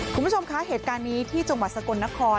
คุณผู้ชมคะเหตุการณ์นี้ที่จังหวัดสกลนคร